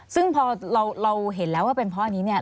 ซึ่งพอเราเห็นแล้วว่าเป็นเพราะอันนี้เนี่ย